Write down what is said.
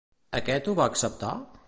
Aquest ho va acceptar?